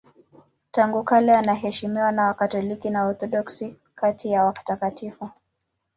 Tangu kale anaheshimiwa na Wakatoliki na Waorthodoksi kati ya watakatifu.